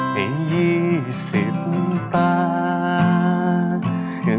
ใน๒๐ปี